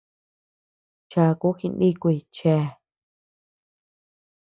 Cháku jinikuy chéa.